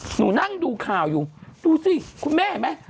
หนูนั่งดูข่าวอยู่ดูสิคุณแม่เห็นไหม